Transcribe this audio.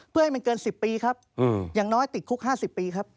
เพื่อให้มันเกิน๑๐ปีครับอย่างน้อยติดคุก๕๐ปีครับ